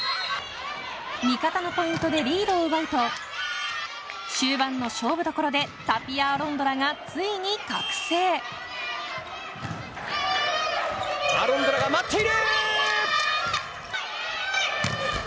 味方のポイントでリードを奪うと終盤の勝負どころでタピア・アロンドラがアロンドラが待っている。